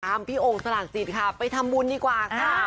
ตามพี่โอ๋งสลักจิตค่ะไปทำบุญดีกว่าค่ะ